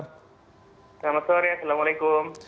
selamat sore assalamualaikum